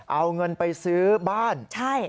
เอาเงินไปซื้อบ้านใช่